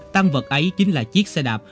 tăng vật ấy chính là chiếc xe đạp